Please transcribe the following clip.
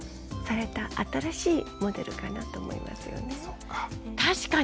そっか。